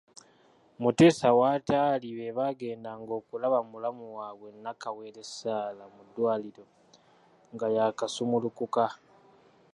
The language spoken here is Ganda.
Muteesa w’ataali bebaagenda okulaba mulamu waabwe Nnakawere Sarah mu Ddwaliro, nga yakasumulukuka.